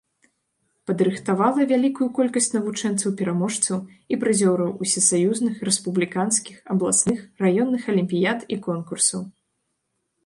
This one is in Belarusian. Падрыхтавала вялікую колькасць навучэнцаў-пераможцаў і прызёраў усесаюзных, рэспубліканскіх, абласных, раённых алімпіяд і конкурсаў.